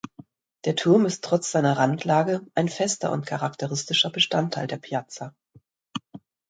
Der Turm ist trotz seiner Randlage ein fester und charakteristischer Bestandteil der Piazza.